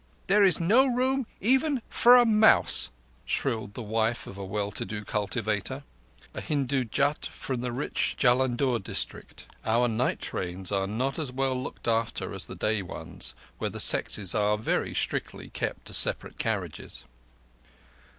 "There is no room even for a mouse," shrilled the wife of a well to do cultivator—a Hindu Jat from the rich Jullundur, district. Our night trains are not as well looked after as the day ones, where the sexes are very strictly kept to separate carriages.